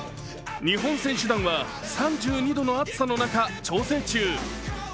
日本選手団は３２度の暑さの中、調整中。